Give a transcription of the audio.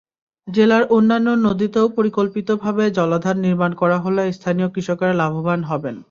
জেলার অন্যান্য নদীতেও পরিকল্পিতভাবে জলাধার নির্মাণ করা হলে স্থানীয় কৃষকেরা লাভবান হবেন।